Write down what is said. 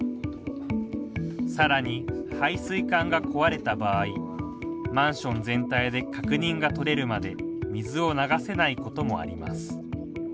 さらに配水管が壊れた場合マンション全体で確認が取れるまで水を流せないこともあります。